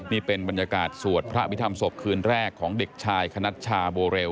นี่เป็นบรรยากาศสวดพระพิธรรมศพคืนแรกของเด็กชายคณัชชาโบเรล